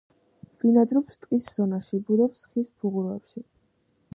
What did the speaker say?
ბინადრობს ტყის ზონაში, ბუდობს ხის ფუღუროებში.